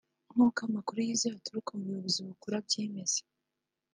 nkuko amakuru yizewe aturuka mu buyobozi bukuru abyemeza